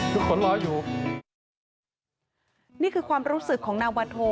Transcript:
คนรออยู่นี่คือความรู้สึกของนาวาโท